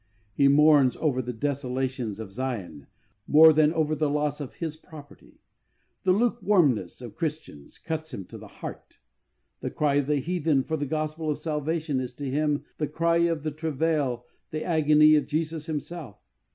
He mourns over the desolations of Zion more than over the loss of his property. The lukewarmness of Christians cuts him to the heart. The cry of the heathen for the gospel of salvation is to him the cry of the travail, the agony of Jesus Himself.